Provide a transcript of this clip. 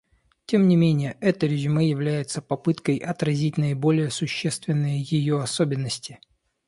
Тем не менее это резюме является попыткой отразить наиболее существенные ее особенности.